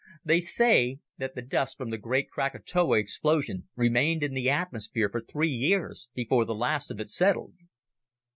They say that the dust from the great Krakatoa explosion remained in the atmosphere for three years before the last of it settled."